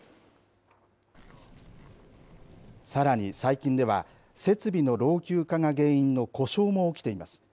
さらに最近では設備の老朽化が原因の故障も起きています。